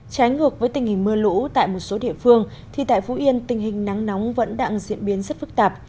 trái ngược với tình hình mưa lũ tại một số địa phương thì tại phú yên tình hình nắng nóng vẫn đang diễn biến rất phức tạp